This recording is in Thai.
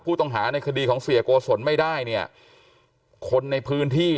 ผู้ต้องหาในคดีของเสียโกศนไม่ได้เนี่ยคนในพื้นที่